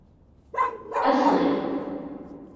أصغ!